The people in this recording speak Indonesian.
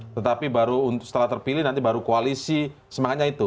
tetapi baru setelah terpilih nanti baru koalisi semangatnya itu